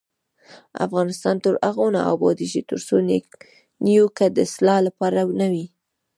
افغانستان تر هغو نه ابادیږي، ترڅو نیوکه د اصلاح لپاره نه وي.